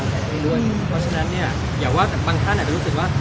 เพราะฉะนั้นเนี่ยอย่าว่าแต่บางท่านอาจจะรู้สึกว่า